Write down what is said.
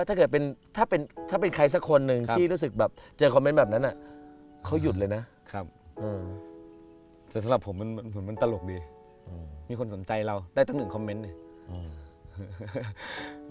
สำหรับผมมันตลกดีมีคนสนใจเราได้ตั้งหนึ่งคอมเมนต์